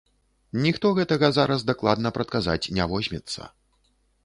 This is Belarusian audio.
Ніхто гэтага зараз дакладна прадказаць не возьмецца.